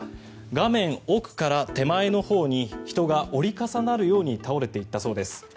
画面奥から手前のほうに人が折り重なるように倒れていったそうです。